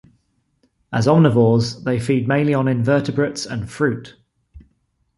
As omnivores, they feed mainly on invertebrates and fruit.